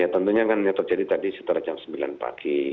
ya tentunya kan yang terjadi tadi sekitar jam sembilan pagi